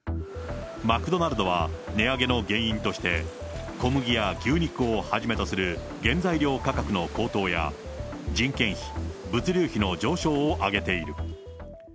マクドナルドは値上げの原因として、小麦や牛肉をはじめとする原材料価格の高騰や、人件費、物流費の上昇を挙げている。